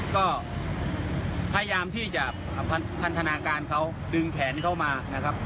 ก็พยายามที่จะพันธนาการเขาดึงแขนเข้ามานะครับ